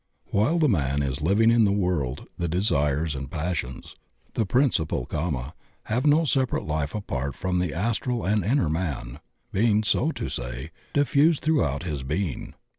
While die man is living in the world the desires and passions — ^the prin ciple kama — ^have no separate life apart from the astral and inner man, being, so to say, diffused throughout his being.